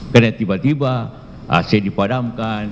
karena tiba tiba ac dipadamkan